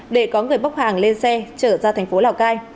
để có người bốc hàng lên xe trở ra thành phố lào cai